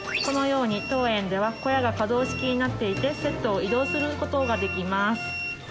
このように当園では小屋が可動式になっていてセットを移動することができます